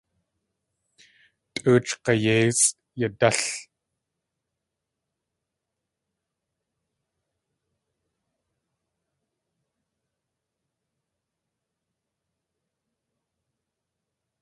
Tʼoochʼ g̲ayéisʼ yadál.